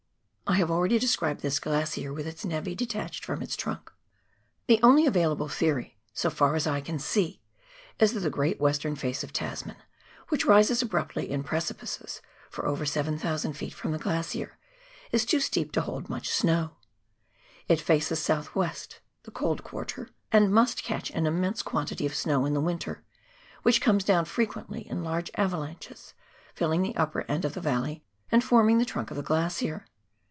I have already described this glacier with its nei e detached from its trunk. The only available theory, so far as I can see, is that the great western face of Tasman, which rises abruptly in precipices for over 7,000 ft. from the glacier, is too steep to hold much snow. It faces the south west — the cold quarter — and must catch an immense quantity of snow in the winter, which comes down frequently in large avalanches, filling the upper end of the valley and forming the trunk of the glacier.